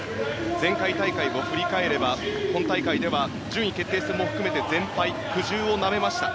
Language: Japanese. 前回大会を振り返れば本大会では順位決定戦も含めて全敗苦汁をなめました。